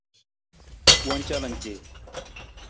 Wowang calan ce.